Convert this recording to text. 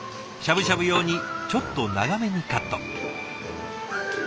しゃぶしゃぶ用にちょっと長めにカット。